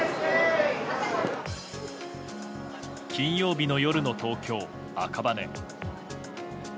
金曜日の夜の東京・赤羽。